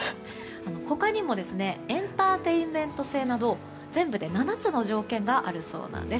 他にもエンターテインメント性など全部で７つの条件があるそうです。